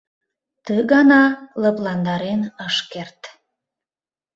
Ты гана лыпландарен ыш керт.